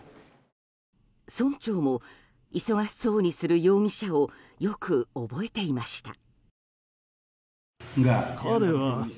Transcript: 村長も忙しそうにする容疑者をよく覚えていました。